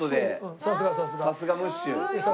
さすがムッシュ。